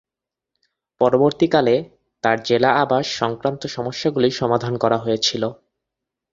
পরবর্তীকালে, তার জেলা আবাস সংক্রান্ত সমস্যাগুলি সমাধান করা হয়েছিল।